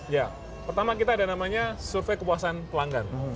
ya pertama kita ada namanya survei kepuasan pelanggan